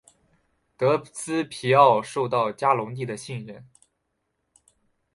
德斯皮奥受到嘉隆帝的信任。